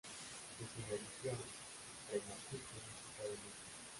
De su religión pre mapuche se sabe muy poco.